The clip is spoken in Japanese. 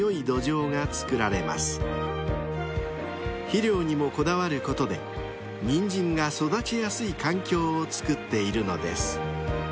［肥料にもこだわることでニンジンが育ちやすい環境をつくっているのです］